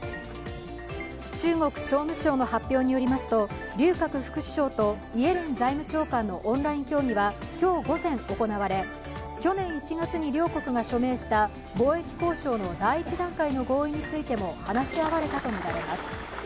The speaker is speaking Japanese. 中国商務省の発表によりますと、劉鶴副首相とイエレン財務長官のオンライン協議は今日午前、行われ去年１月に両国が署名した貿易交渉の第一段階の合意についても話し合われたものとみられます。